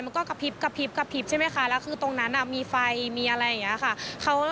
มันก็กระพริบใช่ไหมคะแล้วคือตรงนั้นมีไฟมีอะไรอย่างนี้ค่ะ